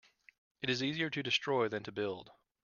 It is easier to destroy than to build.